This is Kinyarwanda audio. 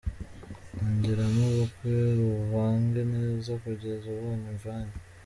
Ongeramo ubuki uvange neza kugeza ubonye imvanye